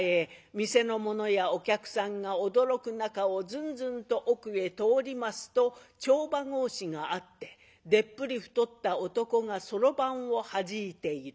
店の者やお客さんが驚く中をずんずんと奥へ通りますと帳場格子があってでっぷり太った男がそろばんをはじいている。